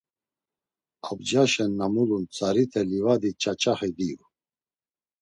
Abcaşen na mulun tzarite livadi ç̌oç̌oxi diu.